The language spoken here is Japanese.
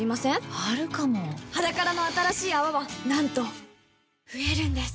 あるかも「ｈａｄａｋａｒａ」の新しい泡はなんと増えるんです